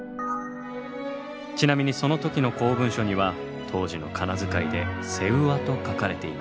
ちなみにその時の公文書には当時の仮名遣いで「セウワ」と書かれていました。